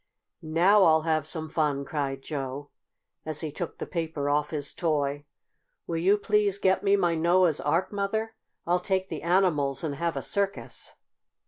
"Now I'll have some fun!" cried Joe, as he took the paper off his toy. "Will you please get me my Noah's Ark, Mother? I'll take the animals and have a circus."